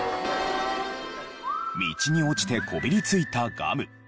道に落ちてこびり付いたガム。